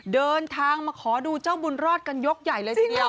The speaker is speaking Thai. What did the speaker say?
เดินทางมาขอดูเจ้าบุญรอดกันยกใหญ่เลยทีเดียว